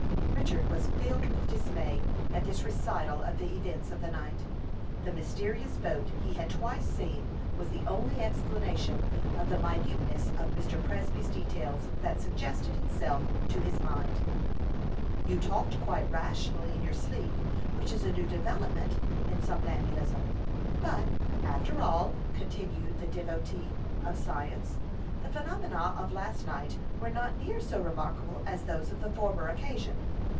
Richard was filled with dismay at this recital of the events of the night. The mysterious boat he had twice seen was the only explanation of the minuteness of Mr. Presby's details that suggested itself to his mind. "You talked quite rationally in your sleep, which is a new development in somnambulism. But, after all," continued the devotee of science, "the phenomena of last night were not near so remarkable as those of the former occasion.